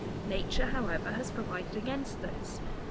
Nature, however, has provided against this.